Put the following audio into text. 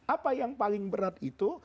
apa yang paling berat itu